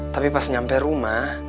tapi pas nyampe rumah